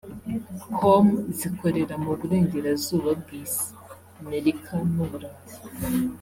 com zikorera mu burengerazuba bw’Isi (Amerika n’Uburayi)